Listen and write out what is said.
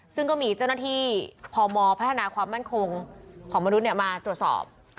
ซึ่งก็มีเจ้าหน้าที่พมพัฒนาความมั่นคงของมนุษย์มาตรวจสอบ